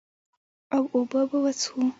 او اوبۀ به وڅښو ـ